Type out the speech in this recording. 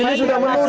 ini sudah menunduk